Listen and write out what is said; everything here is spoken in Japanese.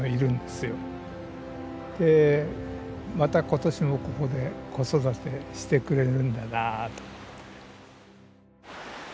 でまた今年もここで子育てしてくれるんだなあと思って。